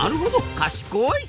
賢い！